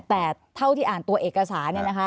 แต่เท่าที่อ่านตัวเอกสารเนี่ยนะคะ